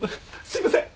すいません。